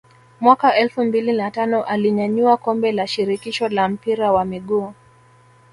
Mwaka elfu mbili na tano alinyanyua kombe la shirikisho la mpira wa miguu